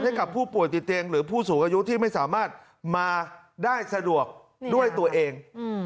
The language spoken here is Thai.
ให้กับผู้ป่วยติดเตียงหรือผู้สูงอายุที่ไม่สามารถมาได้สะดวกด้วยตัวเอง